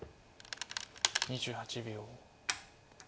２８秒。